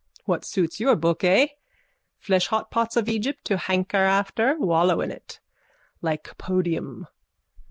That suits your book, eh? Fleshhotpots of Egypt to hanker after. Wallow in it. Lycopodium.